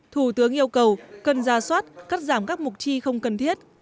thủ tướng yêu cầu cần ra soát cắt giảm các mục chi không cần thiết